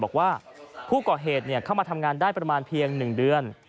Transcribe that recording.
บอกว่าผู้ก่อเหตุเข้ามาทำงานได้ประมาณเพียง๑เดือน